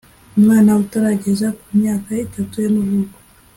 umwana utarageza ku myaka itatu y amavuko